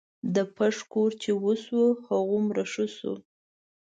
د پښ کور چې وسو هغومره ښه سو.